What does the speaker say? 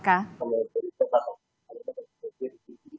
kalau itu itu apa